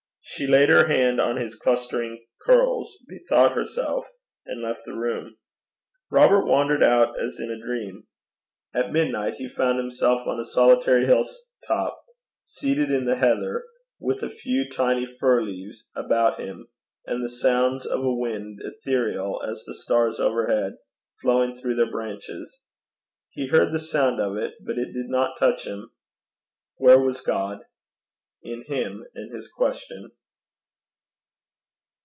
She laid her hand on his clustering curls, bethought herself, and left the room. Robert wandered out as in a dream. At midnight he found himself on a solitary hill top, seated in the heather, with a few tiny fir trees about him, and the sounds of a wind, ethereal as the stars overhead, flowing through their branches: he heard the sound of it, but it did not touch him. Where was God? In him and his question.